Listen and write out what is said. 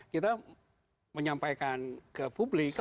kita menyampaikan ke publik